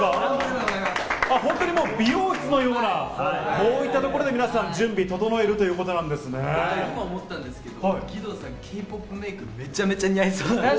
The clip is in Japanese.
本当にもう、美容室のような、こういった所で皆さん、準備整え今思ったんですけど、義堂さん、ＫーＰＯＰメーク、めちゃめちゃ似合いそうなんです。